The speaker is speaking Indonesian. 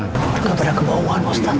mereka pada kebawahan ustadz